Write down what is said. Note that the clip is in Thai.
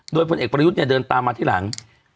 โดยพลเอกประยุทธ์เนี่ยเดินตามมาที่หลัง